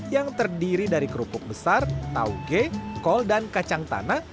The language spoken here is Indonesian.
yang terdiri dari kerupuk besar tauge kol dan kacang tanah